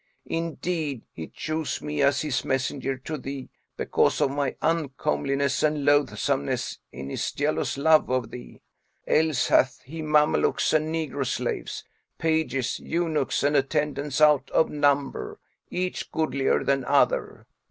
Indeed, he chose me as his messenger to thee, because of my uncomeliness and loathsomeness in his jealous love of thee; else hath he Mamelukes and negro slaves, pages, eunuchs and attendants out of number, each goodlier than other."